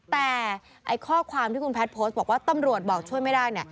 แต่ข้อความที่คุณแพทย์โพสต์บอกว่าตำรวจบอกช่วยไม่ได้